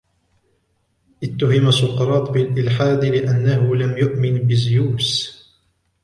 اتُهم سقراط بالإلحاد لأنه لم يؤمن بزيوس.